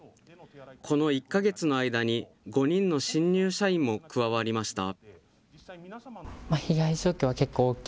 この１か月の間に、５人の新入社員も加わりました。